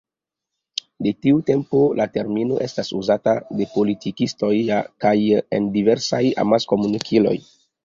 De tiu tempo la termino estas uzata de politikistoj kaj en diversaj amaskomunikiloj.